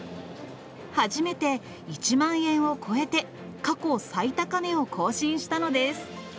初めて１万円を超えて、過去最高値を更新したのです。